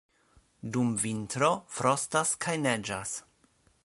Dum vintro frostas kaj neĝas.